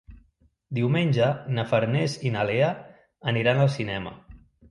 Diumenge na Farners i na Lea aniran al cinema.